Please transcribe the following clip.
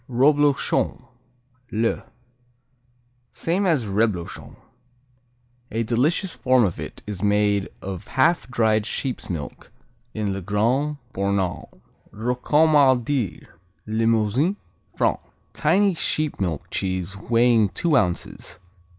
Roblochon, le Same as Reblochon. A delicious form of it is made of half dried sheep's milk in Le Grand Bornand. Rocamadur Limousin, France Tiny sheep milk cheese weighing two ounces.